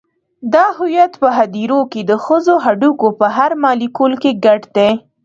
دا هویت په هدیرو کې د ښخو هډوکو په هر مالیکول کې ګډ دی.